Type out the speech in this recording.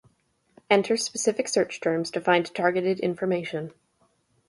Enter specific search terms to find targeted information.